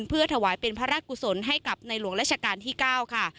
เพื่อถวายเป็นพระราชกุศลให้กับในหลวงราชการที่๙ค่ะ